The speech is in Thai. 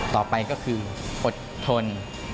ต่อไปก็คืออดทน